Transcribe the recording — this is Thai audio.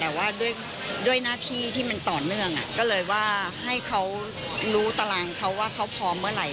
แต่ว่าด้วยหน้าที่ที่มันต่อเนื่องก็เลยว่าให้เขารู้ตารางเขาว่าเขาพร้อมเมื่อไหร่